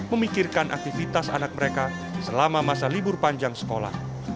memikirkan aktivitas anak mereka selama masa libur panjang sekolah